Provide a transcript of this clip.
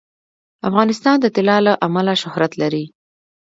افغانستان د طلا له امله شهرت لري.